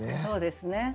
そうですね。